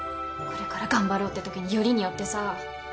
これから頑張ろうってときによりによってさ。